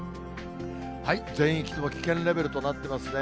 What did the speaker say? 全域とも危険レベルとなってますね。